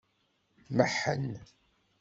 Meḥḥen.